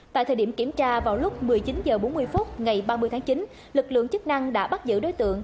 tại thời điểm kiểm tra vào lúc một mươi chín h bốn mươi phút ngày ba mươi tháng chín lực lượng chức năng đã bắt giữ đối tượng